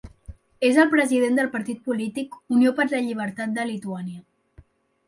És el president del partit polític Unió per la Llibertat de Lituània.